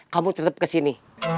kamu tetep kesini